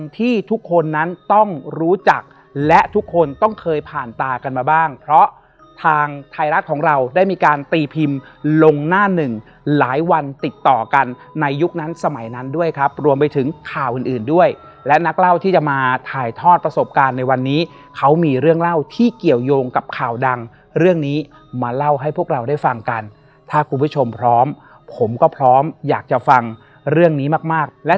ที่ทุกคนนั้นต้องรู้จักและทุกคนต้องเคยผ่านตากันมาบ้างเพราะทางไทยรัฐของเราได้มีการตีพิมพ์ลงหน้าหนึ่งหลายวันติดต่อกันในยุคนั้นสมัยนั้นด้วยครับรวมไปถึงข่าวอื่นอื่นด้วยและนักเล่าที่จะมาถ่ายทอดประสบการณ์ในวันนี้เขามีเรื่องเล่าที่เกี่ยวยงกับข่าวดังเรื่องนี้มาเล่าให้พวกเราได้ฟังกันถ้าคุณผู้ชมพร้อมผมก็พร้อมอยากจะฟังเรื่องนี้มากมากและ